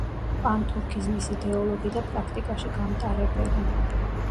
პანთურქიზმის იდეოლოგი და პრაქტიკაში გამტარებელი.